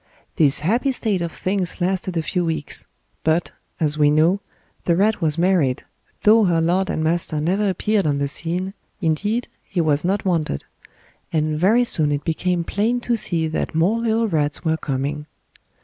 This happy state of things lasted a few weeks; but, as we know, the rat was married, though her lord and master never appeared on the scene, indeed, he was not wanted; and very soon it became plain to see that more little rats were coming.